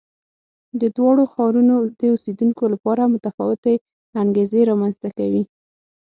د دواړو ښارونو د اوسېدونکو لپاره متفاوتې انګېزې رامنځته کوي.